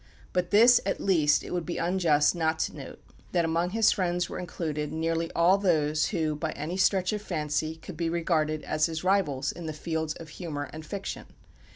But this at least it would be unjust not to note, that among his friends were included nearly all those who by any stretch of fancy could be regarded as his rivals in the fields of humour and fiction.